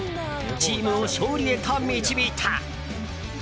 チームを勝利へと導いた。